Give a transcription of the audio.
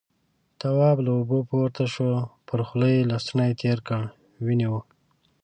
تواب له اوبو پورته شو، پر خوله يې لستوڼی تېر کړ، وينې وه.